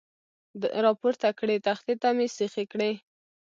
را پورته کړې، تختې ته مې سیخې کړې.